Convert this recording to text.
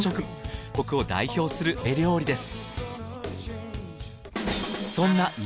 東北を代表する鍋料理です。